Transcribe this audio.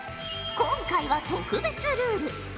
今回は特別ルール。